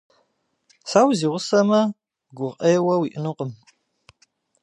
Сэ узигъусэмэ, гукъеуэ уиӏэнукъым.